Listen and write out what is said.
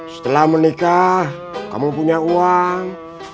setelah menikah kamu punya uang